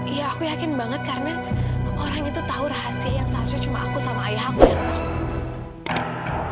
iya aku yakin banget karena orang itu tahu rahasia yang seharusnya cuma aku sama ayah aku